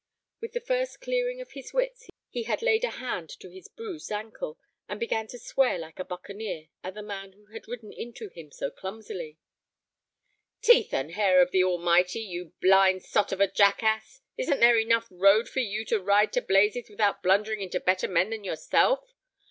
With the first clearing of his wits he laid a hand to his bruised ankle, and began to swear like a buccaneer at the man who had ridden into him so clumsily. "Teeth and hair of the Almighty! you blind sot of a jackass, isn't there enough road for you to ride to blazes without blundering into better men than yourself?